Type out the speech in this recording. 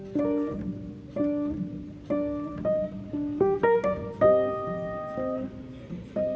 ya aku berangkat